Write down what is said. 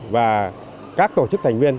và các tổ chức thành viên